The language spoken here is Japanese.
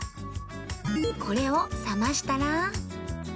これを冷ましたら